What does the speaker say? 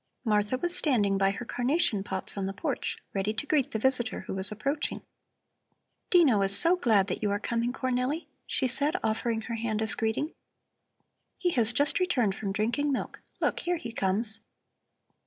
Martha was standing by her carnation pots on the porch, ready to greet the visitor who was approaching. "Dino is so glad that you are coming, Cornelli," she said, offering her hand as greeting. "He has just returned from drinking milk. Look, here he comes!"